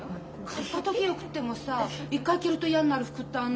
買った時よくってもさ１回着ると嫌になる服ってあんのよねえ。